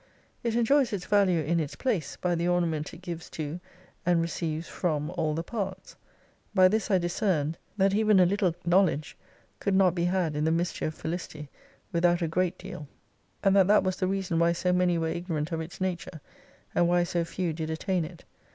It enjoys its value in its place, by the ornament it gives to, and receives from all the parts. By this I discerned, that even a little knowledge 202 could not be had in the mystery of Felicity, without a great deal. And that that was the reason why so many were ignorant of its nature, and why so few did attain it.